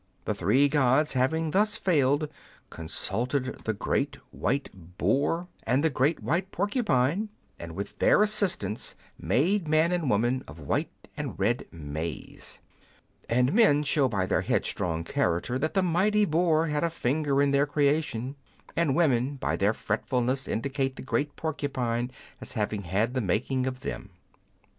The three gods having thus failed, consulted the Great White Boar Curiosities of Olden Times and the Great White Porcupine, and with their assistance made man and woman of white and red maize. And men show by their headstrong character that the mighty boar had a finger in their creation, and women by their fretfulness indicate the great porcupine as having had the making of them.